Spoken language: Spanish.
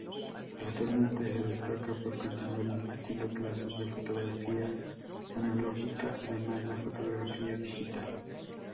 Actualmente se destaca por continuar impartiendo clases de fotografía analógica además de fotografía digital.